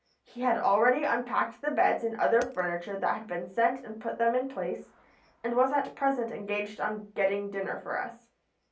He had already unpacked the beds and other furniture that had been sent and put them in place, and was at present engaged on getting dinner for us.